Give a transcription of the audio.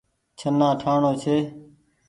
ڇهنآ ٺآڻو ڇي۔